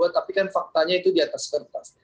tapi kan faktanya itu di atas kertas